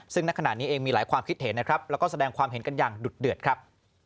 ซึ่งณขณะนี้เองมีหลายความคิดเห็นนะครับแล้วก็แสดงความเห็นกันอย่างดุดเดือดครับ